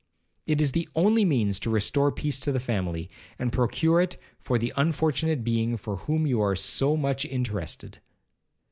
It is the only means to restore peace to the family, and procure it for the unfortunate being for whom you are so much interested.'